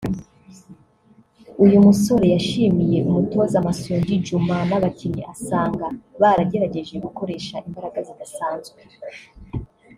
uyu musore yashimiye umutoza Masudi Juma n’abakinnyi asanga baragerageje gukoresha imbaraga zidasanzwe